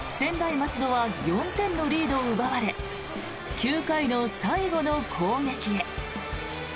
松戸は４点のリードを奪われ９回の最後の攻撃へ。